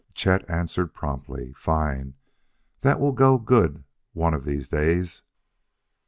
Chet answered promptly, "Fine; that will go good one of these days."